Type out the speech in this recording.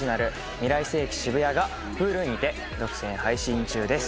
『未来世紀ＳＨＩＢＵＹＡ』がＨｕｌｕにて独占配信中です。